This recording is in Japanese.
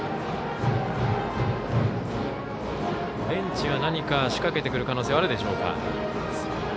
ベンチは何か仕掛けてくる可能性はあるでしょうか。